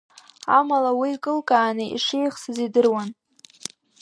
Амала уи икылкааны ишиеихсыз идыруан.